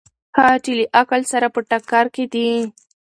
هغه چې له عقل سره په ټکر کې دي.